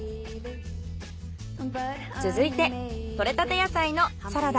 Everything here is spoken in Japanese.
続いて採れたて野菜のサラダ。